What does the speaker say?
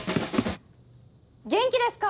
元気ですか！